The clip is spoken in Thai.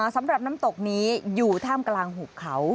สำหรับน้ำตกนี้อยู่ท่ามกลางหุบเขา